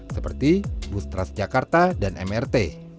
seperti bustras jakarta dan mrt